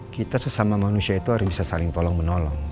kita sesama manusia itu harus bisa saling tolong menolong